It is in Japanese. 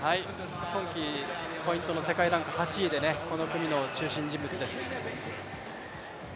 今期ポイントの世界ランク８位でこの組の中心人物です。